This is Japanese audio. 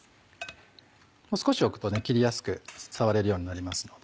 少し置くと切りやすく触れるようになりますので。